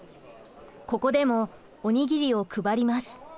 ここでもおにぎりを配ります。